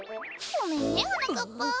ごめんねはなかっぱ。